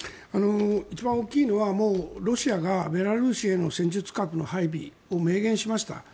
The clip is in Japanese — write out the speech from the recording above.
一番大きいのはロシアがベラルーシへの戦術核の配備を明言しました。